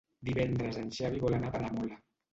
Divendres en Xavi vol anar a Peramola.